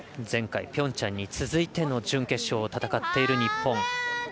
前回ピョンチャンに続いての準決勝を戦っている日本。